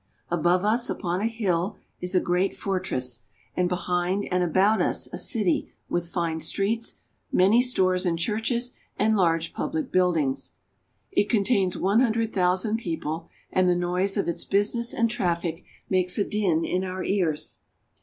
Above us upon a hill is a great fortress, and behind and about us a city with fine streets, many stores and churches, and large public buildings. It contains one hundred thousand people, and the noise of its business and traffic makes a din in our ears.